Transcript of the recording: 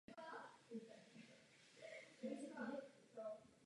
Psal básně i prózu.